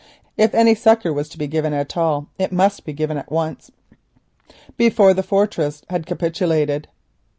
If any succour was to be given at all, it must be given at once, before the fortress had capitulated.